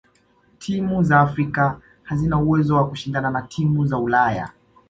timu za afrika hazina uwezo wa kushindana na timu za ulaya